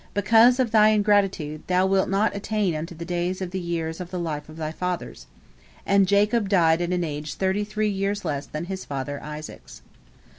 Because of thy ingratitude, thou wilt not attain unto the days of the years of the life of thy fathers," and Jacob died at an age thirty three years less than his father Isaac's.